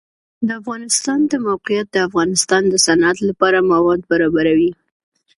د افغانستان د موقعیت د افغانستان د صنعت لپاره مواد برابروي.